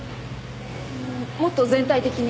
もっと全体的に。